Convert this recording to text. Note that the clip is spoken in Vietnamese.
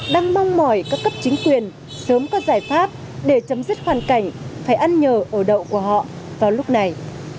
đang mong mỏi các cấp chính quyền sớm có giải pháp để chấm dứt hoàn cảnh phải ăn nhờ ở đậu của họ vào lúc này